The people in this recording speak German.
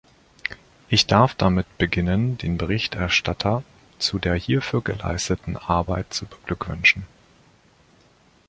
Ich darf damit beginnen, den Berichterstatter zu der hierfür geleisteten Arbeit zu beglückwünschen.